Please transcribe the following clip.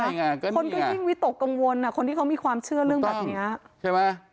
คนก็ยิ่งวิตกกังวลคนที่เขามีความเชื่อเรื่องแบบนี้